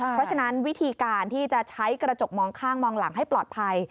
เพราะฉะนั้นวิธีการที่จะใช้กระจกมองข้างมองหลังให้ปลอดภัย